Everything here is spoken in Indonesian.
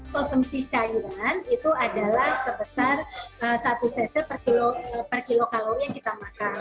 konsumsi cairan itu adalah sebesar satu cc per kilokalori yang kita makan